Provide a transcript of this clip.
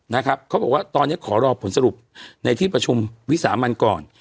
นะครับเขาบอกว่าตอนนี้ขอรอผลสรุปในที่ประชุมวิสามันก่อน